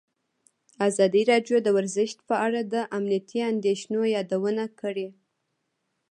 ازادي راډیو د ورزش په اړه د امنیتي اندېښنو یادونه کړې.